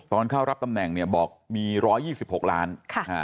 ตอนเข้ารับตำแหน่งเนี่ยบอกมีร้อยยี่สิบหกล้านค่ะอ่า